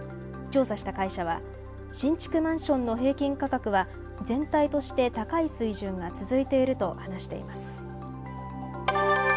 調査した会社は新築マンションの平均価格は全体として高い水準が続いていると話しています。